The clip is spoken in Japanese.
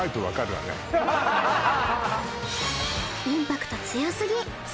インパクト強すぎ！